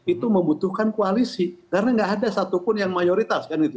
itu membutuhkan koalisi karena nggak ada satupun yang mayoritas